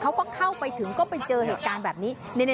เขาก็เข้าไปถึงก็ไปเจอเหตุการณ์แบบนี้